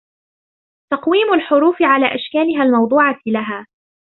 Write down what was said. تَقْوِيمُ الْحُرُوفِ عَلَى أَشْكَالِهَا الْمَوْضُوعَةِ لَهَا